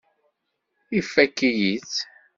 Ifakk-iyi-tt.